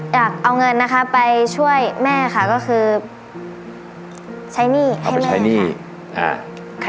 อยากเอาเงินนะคะไปช่วยแม่ค่ะก็คือใช้หนี้ให้แม่ใช้หนี้อ่า